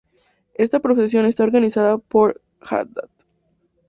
Esta procesión está organizada por la Hdad.